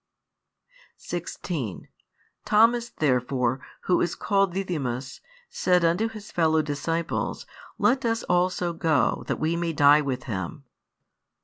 16 Thomas therefore, who is called Didymus, said unto his fellow disciples, Let us also go, that we may die with Him.